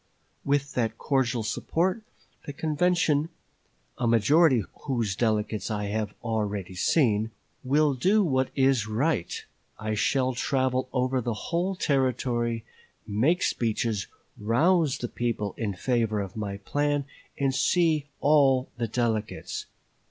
With that cordial support the convention (a majority of whose delegates I have already seen) will do what is right. I shall travel over the whole Territory, make speeches, rouse the people in favor of my plan, and see all the delegates.